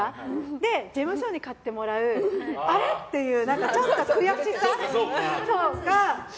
で、事務所に買ってもらうってあれ？っていうちょっと悔しさとか。